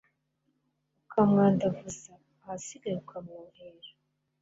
ukamwandavuza, ahasigaye ukamwohera